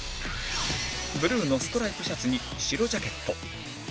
ブルーのストライプシャツに白ジャケット